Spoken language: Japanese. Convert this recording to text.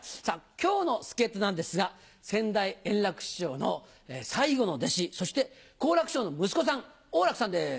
今日の助っ人なんですが先代・圓楽師匠の最後の弟子そして好楽師匠の息子さん王楽さんです。